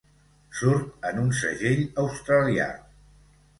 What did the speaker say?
Surt en un segell australià.